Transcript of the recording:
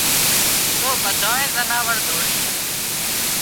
تو ٻڌانئي زناور ڌوڙِي جھان